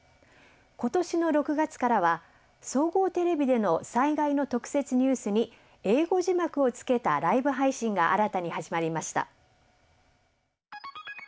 今年の６月からは総合テレビでの災害の特設ニュースに英語字幕をつけたライブ配信が新たに始まりました。